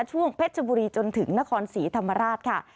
เพชรบุรีจนถึงนครศรีธรรมราชค่ะ